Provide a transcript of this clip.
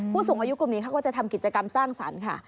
ผู้สูงอายุกลุ่มนี้เขาก็จะทำกิจกรรมสร้างสรรค์ค่ะ